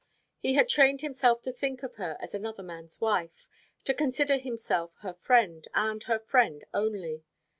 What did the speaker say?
He had trained himself to think of her as another man's wife to consider himself her friend, and her friend only.